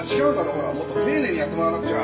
ほらもっと丁寧にやってもらわなくちゃ！